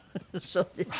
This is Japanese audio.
そうですか。